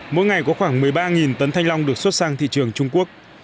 mỗi ngày có khoảng một mươi ba tấn thanh long được xuất sang thị trường trung quốc